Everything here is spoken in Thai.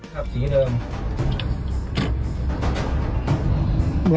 ครับสีเดิม